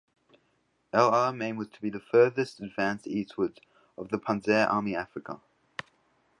El Alamein was to be the furthest advance eastwards of the Panzer Army Africa.